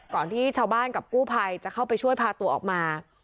ที่ชาวบ้านกับกู้ภัยจะเข้าไปช่วยพาตัวออกมา